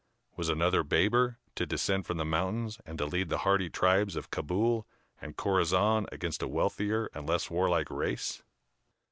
Was another Baber to descend from the mountains, and to lead the hardy tribes of Cabul and Chorasan against a wealthier and less warlike race?